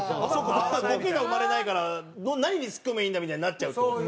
ボケが生まれないから何にツッコめばいいんだみたいになっちゃうって事？